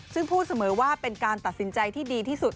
ซึ่งพูดเสมอว่าเป็นการตัดสินใจที่ดีที่สุด